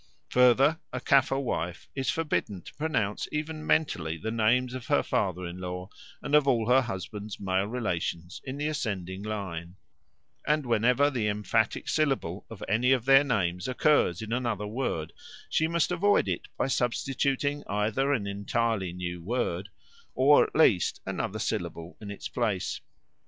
Further, a Caffre wife is forbidden to pronounce even mentally the names of her father in law and of all her husband's male relations in the ascending line; and whenever the emphatic syllable of any of their names occurs in another word, she must avoid it by substituting either an entirely new word, or, at least, another syllable in its place.